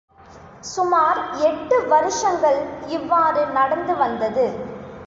சுமார் எட்டு வருஷங்கள் இவ்வாறு நடந்துவந்ததது.